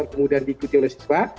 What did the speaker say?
kemudian diikuti oleh siswa